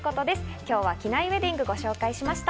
今日は機内ウエディングをご紹介しました。